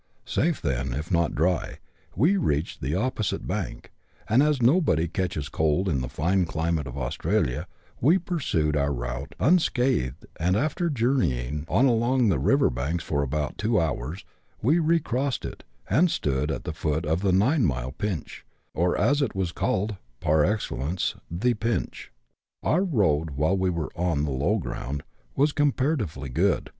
Safe then, if not dry, we reached the opposite bank ; and as nobody catches cold in the fine climate of Australia, we pursued our route unscathed, and, after journeying on along the river banks for about two hours, we recrossed it, and stood at the foot of the Nine Mile Pinch, or, as it was called, par excellence, the Pinch. Our road, while we were on the low ground, was comparatively good.